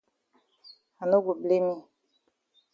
I no go blame yi.